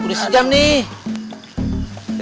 udah sejam nih